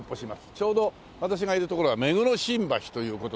ちょうど私がいる所が目黒新橋という事でね